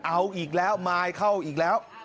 เอาอีกแล้วมายเข้าอีกแล้ว